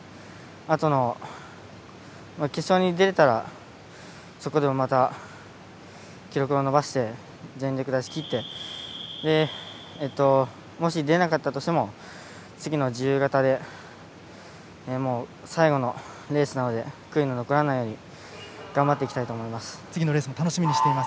決勝に出れたらそこでもまた記録を伸ばして全力出し切ってもし出れなかったとしても次の自由形で最後のレースなので悔いの残らないように頑張っていきたいと思います。